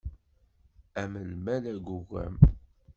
Am lmal agugam.